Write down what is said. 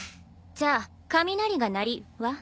じゃあ「雷が鳴り」は？